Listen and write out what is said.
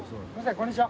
こんにちは。